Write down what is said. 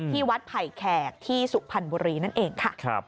ที่วัดไผ่แขกที่สุพรรณบุรีนั่นเองค่ะ